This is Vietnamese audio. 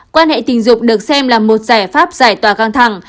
quan hệ tình dục được xem là một giải pháp giải tỏa căng thẳng